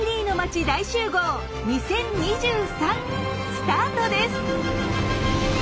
スタートです！